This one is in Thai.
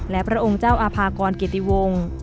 และพระองค์เจ้าอาภากรเกติวงศ์